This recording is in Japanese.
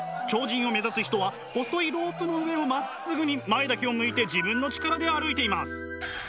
超人を目指す人は細いロープの上をまっすぐに前だけを向いて自分の力で歩いています。